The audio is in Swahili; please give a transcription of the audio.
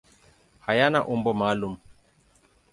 Hayana umbo maalum.